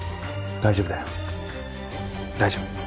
大丈夫だよ大丈夫。